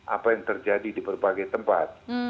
apa yang terjadi di berbagai tempat